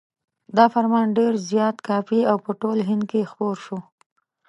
دا فرمان ډېر زیات کاپي او په ټول هند کې خپور شو.